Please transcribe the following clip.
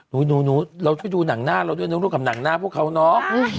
นูเราช่วยดูหนังหน้าเราด้วยนึกถึงกับหนังหน้าพวกเขาน้อง